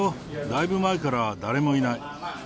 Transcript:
だいぶ前から、誰もいない。